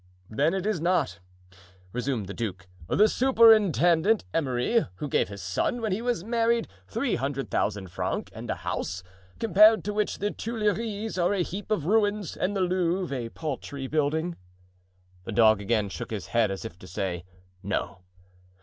"Then is it not," resumed the duke, "the Superintendent Emery, who gave his son, when he was married, three hundred thousand francs and a house, compared to which the Tuileries are a heap of ruins and the Louvre a paltry building?" The dog again shook his head as if to say "no."